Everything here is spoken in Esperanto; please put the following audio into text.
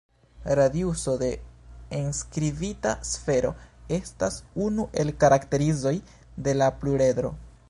Radiuso de enskribita sfero estas unu el karakterizoj de la pluredro.